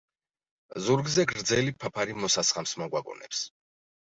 ზურგზე გრძელი ფაფარი მოსასხამს მოგვაგონებს.